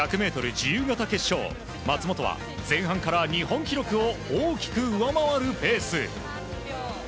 自由形決勝松元は前半から日本記録を大きく上回るペース。